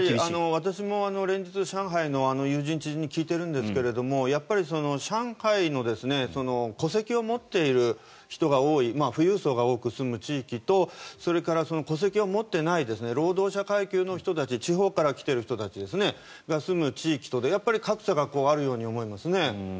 私も連日上海の友人、知人に聞いてるんですけどもやっぱり上海の戸籍を持っている人が多い富裕層が多く住む地域とそれから戸籍を持っていない労働者階級の人たち地方から来ている人たちが住む地域とで格差があるように思います。